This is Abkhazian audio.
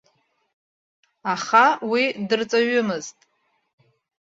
Аха уи дырҵаҩымызт.